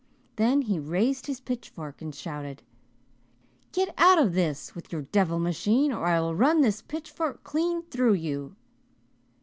Then he raised his pitchfork and shouted, 'Get out of this with your devil machine or I will run this pitchfork clean through you.'